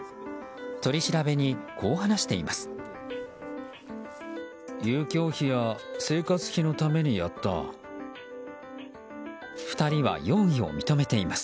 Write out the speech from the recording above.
取り調べに、こう話しています。